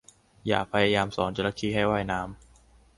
อย่าพยายามสอนจระเข้ให้ว่ายน้ำ